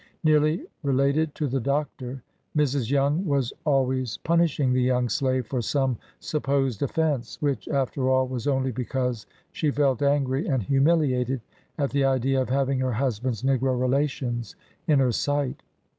Near ly related to the Doctor, Mrs. Young was always pun ishing the young slave for some supposed offence, which, after all, was only because she felt angry and humiliated at the idea of having her husband's " negro relations " in her sight.